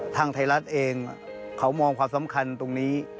ทางไทยรัฐเองเขามองความสำคัญตรงนี้